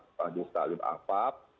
dengan fpi jadi berbeda yaitu majelis talib apap